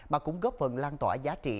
mà cũng góp phần lan tỏa giá trị